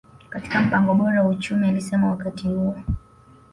katika mpango bora wa uchumi alisema wakati huo